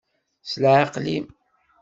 S leɛqel-im.